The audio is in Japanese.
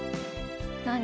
何？